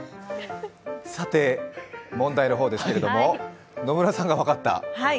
問題の方ですけれども、野村さんが分かった。